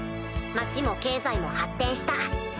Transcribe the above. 町も経済も発展した。